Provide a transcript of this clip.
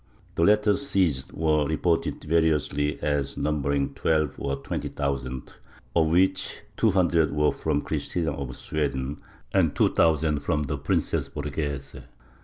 The letters seized were reported variously as numbering twelve or twenty thousand, of which two hundred were from Christina of Sweden and two thousand from the Princess Borghese.